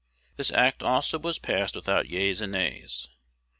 This act also was passed without yeas and nays.